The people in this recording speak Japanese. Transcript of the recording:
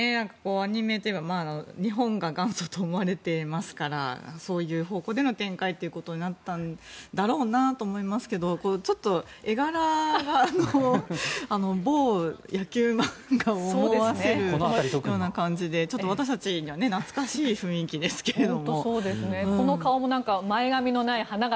アニメといえば日本が元祖と思われていますからそういう方向での展開ということになったんだろうなと思いますけどちょっと絵柄が某野球漫画を思わせるような感じでちょっと私たちには懐かしい雰囲気ですけれど。